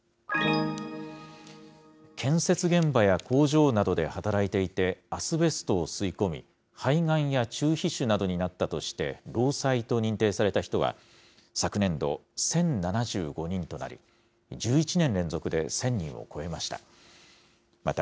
建設現場や工場などで働いていて、アスベストを吸い込み、肺がんや中皮腫などになったとして、労災と認定された人は、昨年度１０７５人となり、１１年連続で１０００人を超えました。